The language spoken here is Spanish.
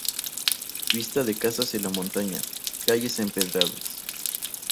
Vista de casas y la montaña, calles empedradas.